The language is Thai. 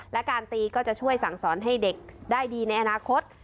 และการตีก็จะช่วยสั่งสอนให้เด็กได้ดีในอนาคต